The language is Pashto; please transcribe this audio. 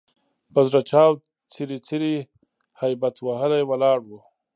په زړه چاود، څیري څیري هبیت وهلي ولاړ وو.